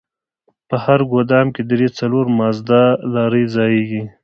په هر ګودام کښې درې څلور مازدا لارۍ ځايېږي.